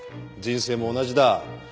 人生も同じだ。